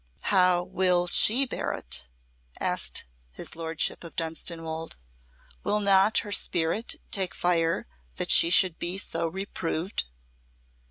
"How will she bear it?" asked his Lordship of Dunstanwolde. "Will not her spirit take fire that she should be so reproved?"